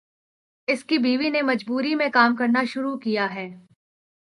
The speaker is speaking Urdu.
اس کی بیوی نے مجبوری میں کام کرنا شروع کیا ہے۔